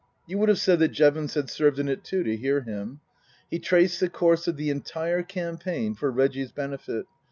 You would have said that Jevons had served in it too, to hear him. He traced the course of the entire campaign for Reggie's benefit.